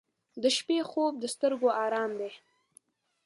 • د شپې خوب د سترګو آرام دی.